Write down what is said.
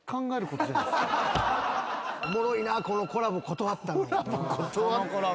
おもろいなこのコラボ断ったの。